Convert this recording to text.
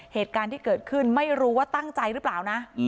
เหตุการณ์ที่เกิดขึ้นไม่รู้ว่าตั้งใจหรือเปล่านะ